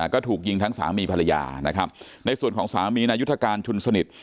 ก็ถูกยิงทั้งสามีภรรยานะครับในส่วนของสามีนายุทธการชุนสนิท